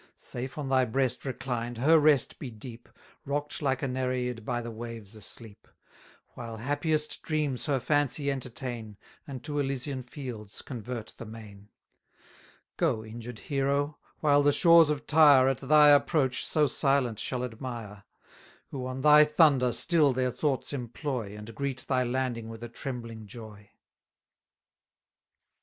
620 Safe on thy breast reclined, her rest be deep, Rock'd like a Nereid by the waves asleep; While happiest dreams her fancy entertain, And to Elysian fields convert the main! Go, injured hero! while the shores of Tyre At thy approach so silent shall admire, Who on thy thunder still their thoughts employ, And greet thy landing with a trembling joy!